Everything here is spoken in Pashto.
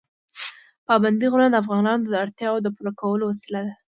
پابندی غرونه د افغانانو د اړتیاوو د پوره کولو وسیله ده.